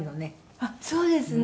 「あっそうですね」